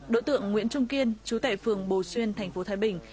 đối tượng nguyễn trung kiên trú tại phường bồ xuyên tp thái bình